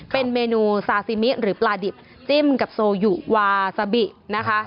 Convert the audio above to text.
เป็นเมนูซาซิมิหรือปลาดิบจิ้มกับโซยุวาซาบินะคะ